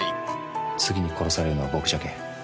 「次に殺されるのは僕じゃけん」